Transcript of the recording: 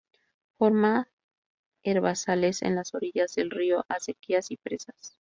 Forma herbazales en las orillas de ríos, acequias y presas.